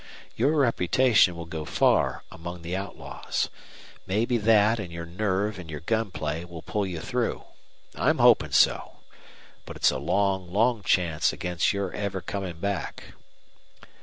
Your reputation will go far among the outlaws. Maybe that and your nerve and your gun play will pull you through. I'm hoping so. But it's a long, long chance against your ever coming back."